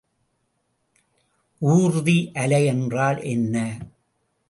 ஊர்தி அலை என்றால் என்ன?